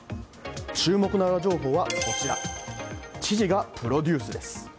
注目のウラ情報は知事がプロデュースです。